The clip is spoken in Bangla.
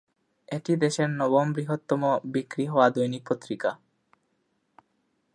এটি দেশের নবম বৃহত্তম বিক্রি হওয়া দৈনিক পত্রিকা।